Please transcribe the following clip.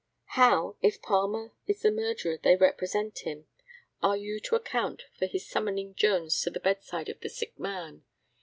How, if Palmer is the murderer they represent him, are you to account for his summoning Jones to the bedside of the sick man?